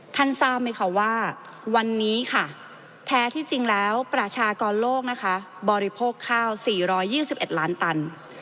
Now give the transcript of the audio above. ทราบไหมคะว่าวันนี้ค่ะแท้ที่จริงแล้วประชากรโลกนะคะบริโภคข้าว๔๒๑ล้านตัน